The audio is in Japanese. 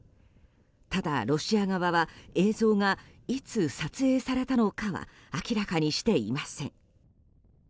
ただ、ロシア側は映像がいつ撮影されたのかは明らかにしていません。